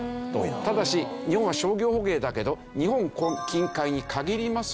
ただし日本は商業捕鯨だけど日本近海に限りますよ。